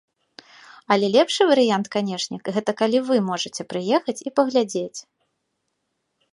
Але лепшы варыянт, канечне, гэта калі вы можаце прыехаць і паглядзець.